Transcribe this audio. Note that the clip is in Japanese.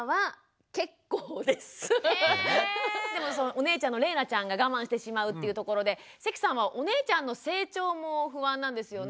お姉ちゃんのれいなちゃんが我慢してしまうっていうところで関さんはお姉ちゃんの成長も不安なんですよね？